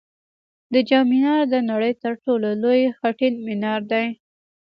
د جام منار د نړۍ تر ټولو لوړ خټین منار دی